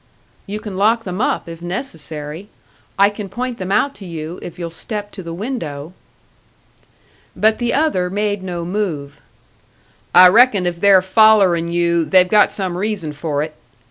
"You can lock them up, if necessary. I can point them out to you, if you'll step to the window." But the other made no move. "I reckon if they're follerin' you, they've got some reason for it.